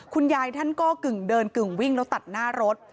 คุณยายท่านก็กึ่งเดินกึ่งวิ่งแล้วตัดหน้ารถ